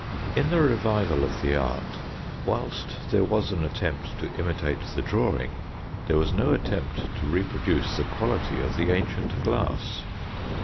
In the revival of the art, whilst there was an attempt to imitate the drawing, there was no attempt to reproduce the quality of the ancient glass.